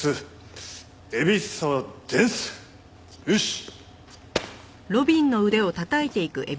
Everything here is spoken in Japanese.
よし！